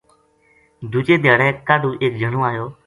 دوجے دیہاڑے کاہڈو ایک جنو آیو